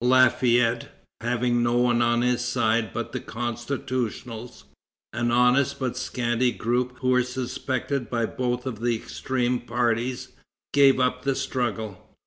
Lafayette, having no one on his side but the constitutionals, an honest but scanty group who were suspected by both of the extreme parties, gave up the struggle.